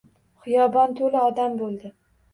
Xiyobon to‘la odam bo‘ldi.